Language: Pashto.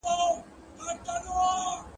• چرگ دي يم حلالوه مي مه.